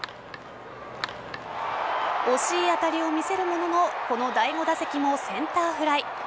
惜しい当たりを見せるもののこの第５打席もセンターフライ。